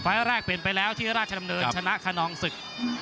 แรกเปลี่ยนไปแล้วที่ราชดำเนินชนะขนองศึก